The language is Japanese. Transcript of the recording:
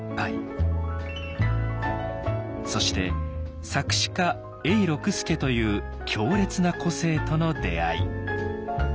そして作詞家永六輔という強烈な個性との出会い。